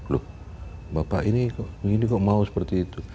loh bapak ini kok mau seperti itu